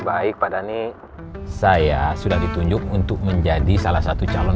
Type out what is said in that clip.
baik pak dhani saya sudah ditunjuk untuk menjadi salah satu calon